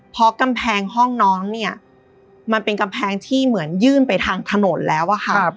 เพราะกำแพงห้องน้องเนี่ยมันเป็นกำแพงที่เหมือนยื่นไปทางถนนแล้วอะค่ะ